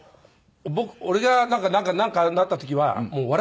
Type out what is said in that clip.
俺がなんかなった時はもう笑ってくれと。